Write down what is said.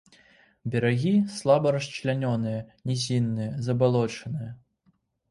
Берагі слаба расчлянёныя, нізінныя, забалочаныя.